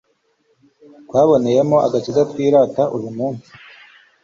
twaboneyemo agakiza twirata uyu munsi